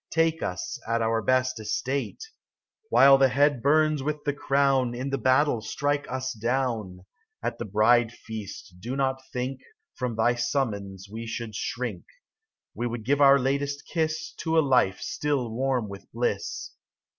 Take us at our best estate : While the head bums with the crown, In the battle strike us down ! At the bride feast do not think From thy summons we should shrink ; We would give our latest kiss To a life still warm with bliss.